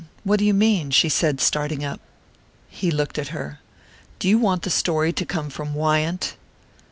What do you mean?" she said, starting up. He looked at her. "Do you want the story to come from Wyant?"